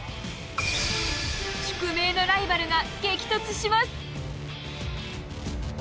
宿命のライバルが激突します！